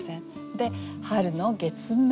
で「春の月面」。